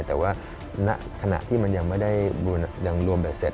แต่ว่าในขณะที่มันยังไม่ได้รวมไปเสร็จ